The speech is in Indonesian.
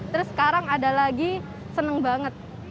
terus sekarang ada lagi seneng banget